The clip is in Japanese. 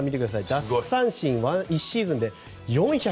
奪三振、１シーズンで４０１。